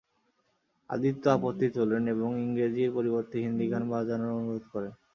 আদিত্য আপত্তি তোলেন এবং ইংরেজির পরিবর্তে হিন্দি গান বাজানোর অনুরোধ করেন।